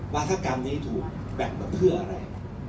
วาธกรรมนี้ถูกแบ่งมาเพื่ออะไร